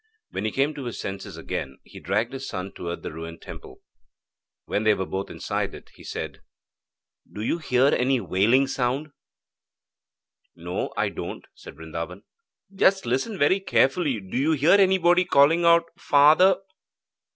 When he came to his senses again, he dragged his son towards the ruined temple. When they were both inside it, he said: 'Do you hear any wailing sound?' 'No, I don't,' said Brindaban. 'Just listen very carefully. Do you hear anybody calling out "Father"?'